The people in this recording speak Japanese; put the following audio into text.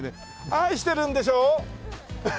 愛してるんでしょ？